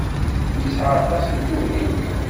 Yesɛa aṭas n tugniwin.